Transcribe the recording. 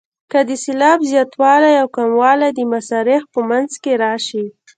که د سېلاب زیاتوالی او کموالی د مصرع په منځ کې راشي.